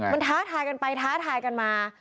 มันท้าทายกันไปท้าทายกันมา